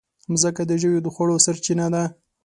مځکه د ژويو د خوړو سرچینه ده.